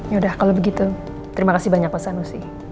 yaudah kalau begitu terima kasih banyak pak sanusi